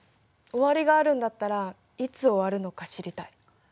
終わりがあるんだったらいつ終わるのか知りたい。